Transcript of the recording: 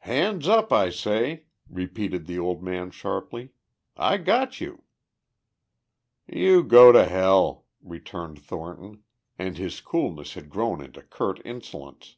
"Hands up, I say," repeated the old man sharply. "I got you." "You go to hell," returned Thornton, and his coolness had grown into curt insolence.